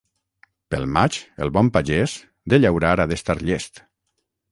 Pel maig, el bon pagès, de llaurar ha d'estar llest.